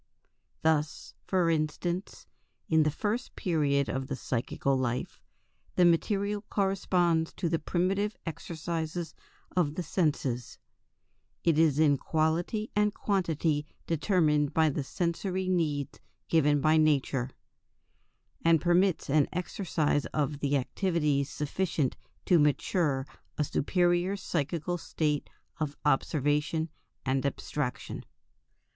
Thus, for instance, in the first period of the psychical life, the material corresponds to the primitive exercises of the senses it is in quality and quantity determined by the sensory needs given by nature and permits an exercise of the activities sufficient to mature a superior psychical state of observation and abstraction.